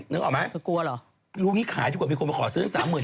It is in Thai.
นึกออกไหมลูกนี้ขายทุกคนมีคนมาขอซื้อ๓๐๐๐๐๕๐๐๐๐บ้าเฮ้ย